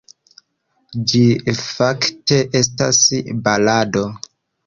Ĝi fakte estas balado.